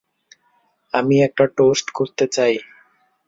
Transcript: আমি একটা টোস্ট করতে চাই।